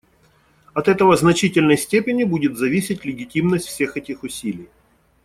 От этого в значительной степени будет зависеть легитимность всех этих усилий.